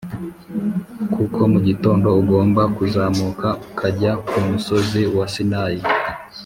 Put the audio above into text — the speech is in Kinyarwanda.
kuko mu gitondo ugomba kuzamuka ukajya ku musozi wa Sinayi